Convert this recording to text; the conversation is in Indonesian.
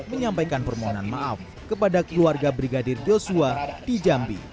menyampaikan permohonan maaf kepada keluarga brigadir joshua di jambi